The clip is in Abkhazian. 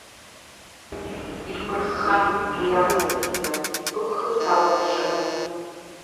Ибмырххан, уи анасыԥмҩа бықәхысаа ауп бшану…